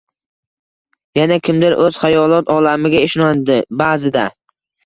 Yana kimdir o‘z xayolot olamiga ishonadi ba’zida.